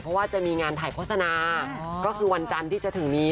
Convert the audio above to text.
เพราะว่าจะมีงานถ่ายโฆษณาก็คือวันจันทร์ที่จะถึงนี้